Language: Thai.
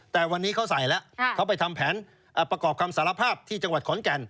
แต่วันนี้เขาใส่แล้วเขาไปทำแผนประกอบคำสารภาพที่จังหวัดขอนแก่น